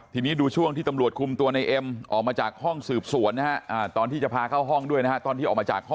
ทีนี้ดูช่วงที่ตำรวจคุมตัวในเอ็มออกมาจากห้องสืบส่วนนะฮะ